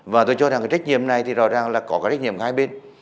và tôi cho rằng cái trách nhiệm này thì rõ ràng là có cái trách nhiệm hai bên